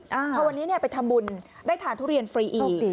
เพราะวันนี้ไปทำบุญได้ทานทุเรียนฟรีอีก